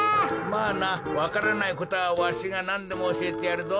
まあなわからないことはわしがなんでもおしえてやるぞ。